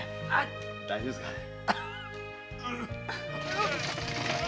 大丈夫ですかい。